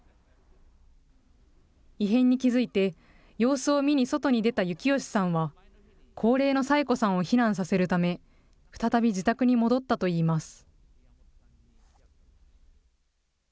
異変に気付いて様子を見に外に出た幸義さんは、高齢の佐江子さんを避難させるため、再び自宅に戻ったといいます。